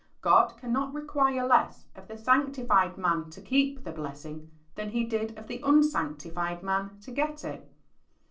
God cannot require less of the sanctified man to keep the blessing than He did of the unsanctified man to get it.